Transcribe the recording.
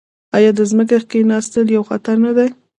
آیا د ځمکې کیناستل یو خطر نه دی؟